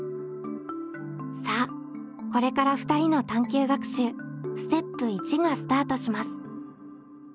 さあこれから２人の探究学習ステップ１がスタートします。